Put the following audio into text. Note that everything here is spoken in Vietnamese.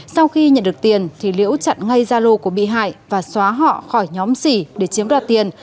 sau khi nhận được tiền thì liễu chặn ngay gia lô của bị hại và xóa họ khỏi nhóm xỉ để chiếm đoạt tiền